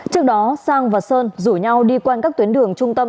trước đó sang và sơn rủ nhau đi quanh các tuyến đường trung tâm